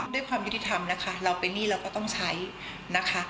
ด้วยความยุติธรรมนะคะเราเป็นหนี้เราก็ต้องใช้นะคะ